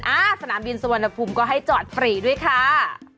สนามบินสุวรรณภูมิก็ให้จอดฟรีด้วยค่ะ